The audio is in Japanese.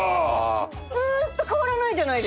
ずーっと変わらないじゃないですか。